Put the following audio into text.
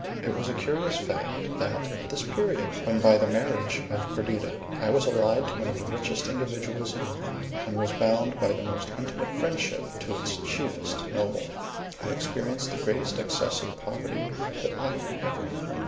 It was a curious fact, that at this period, when by the marriage of Perdita I was allied to one of the richest individuals in England, and was bound by the most intimate friendship to its chiefest noble, I experienced the greatest excess of poverty that I had ever known.